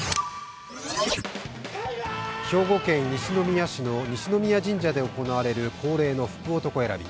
兵庫県西宮市の西宮神社で行われる恒例の福男選び。